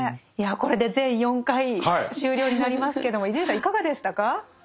いやこれで全４回終了になりますけども伊集院さんいかがでしたか？